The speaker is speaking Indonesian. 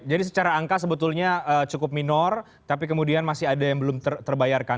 jadi secara angka sebetulnya cukup minor tapi kemudian masih ada yang belum terbayarkan